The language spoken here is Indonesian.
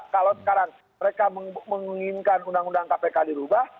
kalau sekarang mereka menginginkan undang undang kpk dirubah